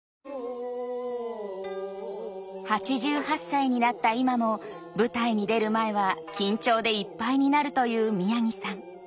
８８歳になった今も舞台に出る前は緊張でいっぱいになるという宮城さん。